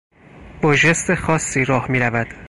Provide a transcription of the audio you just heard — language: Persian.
با ژست خاصی راه میرود.